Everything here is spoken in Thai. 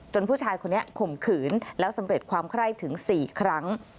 ผู้ชายคนนี้ข่มขืนแล้วสำเร็จความไคร้ถึง๔ครั้ง